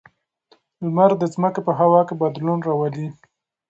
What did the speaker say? لمر د ځمکې په هوا کې بدلون راولي.